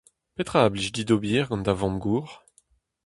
Petra a blij dit ober gant da vamm-gozh ?